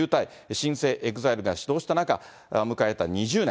新生ＥＸＩＬＥが始動した中、迎えた２０年。